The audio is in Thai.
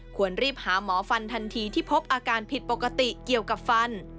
ควรรีบหาหมอฟันทันทีที่พบอาการผิดปกติเกี่ยวกับฟัน